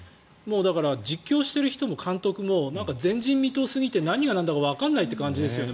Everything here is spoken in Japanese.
実況している人も監督も前人未到すぎて何がなんだかわからないって感じですよね。